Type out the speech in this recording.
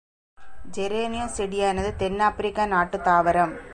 Geranium செடியானது தென் ஆப்பிரிக்க நாட்டுத் தாவரம்.